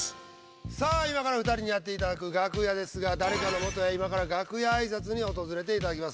さあ今から２人にやっていただく楽屋ですが誰かのもとへ今から楽屋挨拶に訪れていただきます。